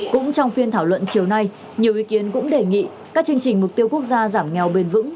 cũng trong phiên thảo luận chiều nay nhiều ý kiến cũng đề nghị các chương trình mục tiêu quốc gia giảm nghèo bền vững